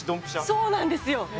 そうなんですよ。